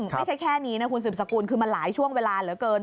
ไม่ใช่แค่นี้นะคุณสืบสกุลคือมันหลายช่วงเวลาเหลือเกิน